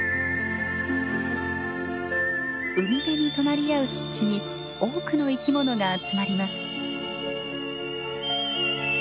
海辺に隣り合う湿地に多くの生き物が集まります。